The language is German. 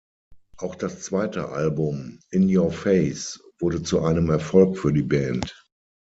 Auch das zweite Album "In Your Face" wurde zu einem Erfolg für die Band.